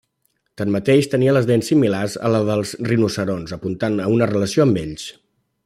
Tanmateix, tenia les dents similars a les dels rinoceronts, apuntant a una relació amb ells.